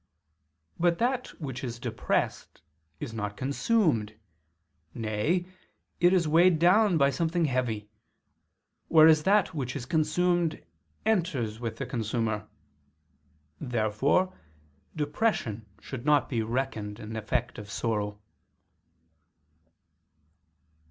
But that which is depressed is not consumed; nay, it is weighed down by something heavy, whereas that which is consumed enters within the consumer. Therefore depression should not be reckoned an effect of sorrow.